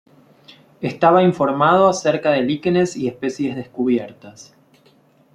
Estaba informado acerca de líquenes y especies descubiertas.